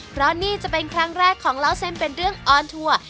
เพราะนี่จะเป็นครั้งแรกของเล่าเส้นเป็นเรื่องออนทัวร์